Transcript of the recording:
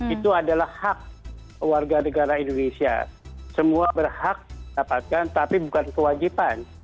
itu adalah hak warga negara indonesia semua berhak dapatkan tapi bukan kewajiban